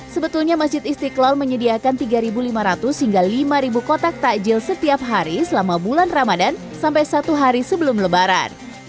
sebetulnya masjid istiqlal menyediakan tiga lima ratus hingga lima kotak takjil setiap hari selama bulan ramadan sampai satu hari sebelum lebaran